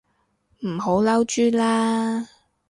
唔好嬲豬啦